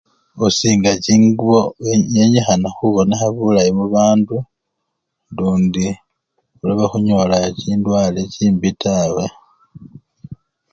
Khusinga chingubo nenyikhana khubonekha bulayi mubandu lundi khulobe khunyola chindwale chimbi tawe.